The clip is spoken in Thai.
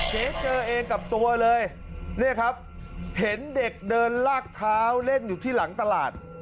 เจ๊เจอเองกับตัวเลยเนี่ยครับเห็นเด็กเดินลากเท้าเล่นอยู่ที่หลังตลาด